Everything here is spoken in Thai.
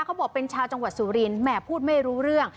เขาบอกเป็นชาวจังหวัดสุรินแหมพูดไม่รู้เรื่อง